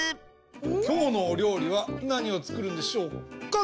きょうのおりょうりはなにをつくるんでしょうか？